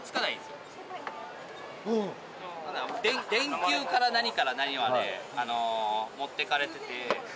電球から何から何まで持っていかれてて。